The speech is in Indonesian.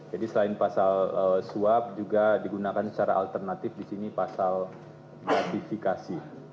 jadi selain pasal swab juga digunakan secara alternatif di sini pasal notifikasi